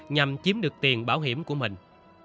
nhằm chiếm được tiền bảo hiểm của mình